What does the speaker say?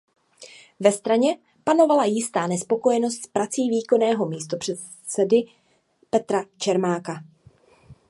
Ve straně panovala jistá nespokojenost s prací výkonného místopředsedy Petra Čermáka.